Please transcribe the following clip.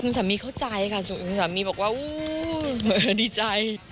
คุณสามีเข้าใจค่ะส่วนคุณสามีบอกว่าอู้ดีใจ